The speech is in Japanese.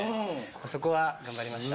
そこは頑張りました。